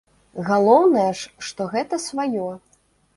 Галоўнае ж, што гэта сваё.